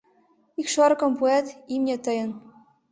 — Ик шорыкым пуэт, имне тыйын.